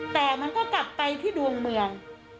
แต่มันก็กลับไปที่ดวงเมือง